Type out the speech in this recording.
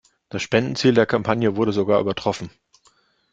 Das Spendenziel der Kampagne wurde sogar übertroffen.